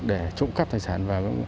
để trộm cắp tài sản